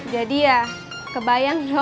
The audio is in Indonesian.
jadi ya kebayangnya